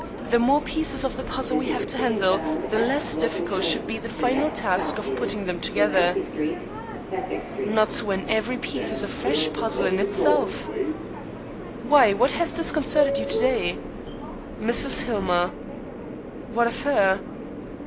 The more pieces of the puzzle we have to handle the less difficult should be the final task of putting them together." "Not when every piece is a fresh puzzle in itself." "Why, what has disconcerted you to day?" "Mrs. Hillmer." "What of her?"